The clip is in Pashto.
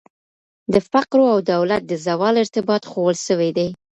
د فقرو او دولت د زوال ارتباط ښوول سوي دي.